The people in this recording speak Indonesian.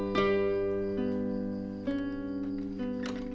neng mah kayak gini